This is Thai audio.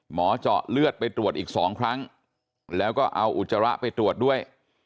เจาะเลือดไปตรวจอีก๒ครั้งแล้วก็เอาอุจจาระไปตรวจด้วย